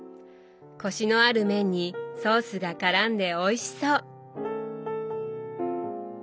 コシのある麺にソースがからんでおいしそう！